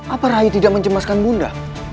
apa rahi tidak mencemaskan bunda